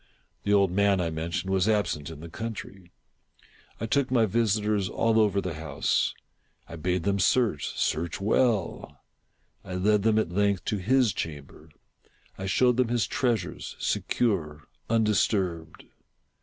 The old man, I mentioned, was absent in the country. I took my visitors all over the house. I bade them search — search zvell. I led them, at length, to his chamber. I showed them his treasures, secure, undis turbed.